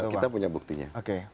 kita punya buktinya